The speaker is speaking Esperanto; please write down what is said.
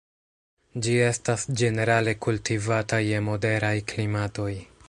Ĝi estas ĝenerale kultivata je moderaj klimatoj.